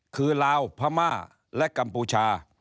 คือลาวพม่าและกัมพูชา